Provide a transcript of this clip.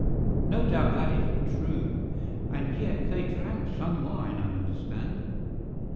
"No doubt that is true, and yet they drank some wine, I understand."